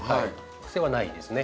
癖はないですね。